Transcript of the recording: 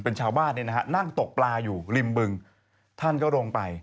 เป็นชาวบ้านเนี่ยนะฮะนั่งตกปลาอยู่ริมบึงท่านก็ลงไป